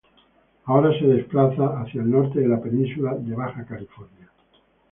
Ahora se desplaza hacia el norte de la península de Baja California.